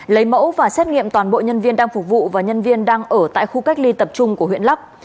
lấy mẫu và xét nghiệm toàn bộ nhân viên đang phục vụ và nhân viên đang ở tại khu cách ly tập trung của huyện lắc